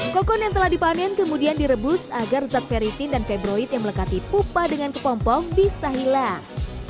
kokon yang telah dipanen kemudian direbus agar zat peritin dan febroid yang melekati pupa dengan kepompong bisa hilang